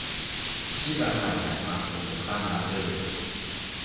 นี่ร้านใหม่ย้ายมาเปิดตรงข้ามร้านเดิม